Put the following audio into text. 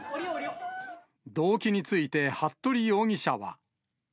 動機について服部容疑者は。